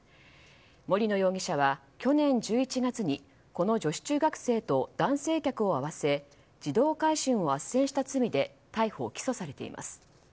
森野容疑者は去年１１月にこの女子中学生と男性客を合わせ児童買春をあっせんした罪で逮捕・起訴されています。